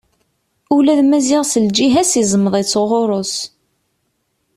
Ula d Maziɣ s lǧiha-s izmeḍ-itt ɣur-s.